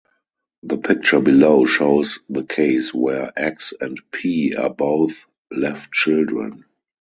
The picture below shows the case where "x" and "p" are both left children.